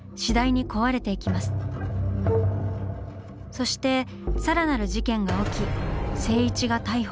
そしてさらなる事件が起き静一が逮捕。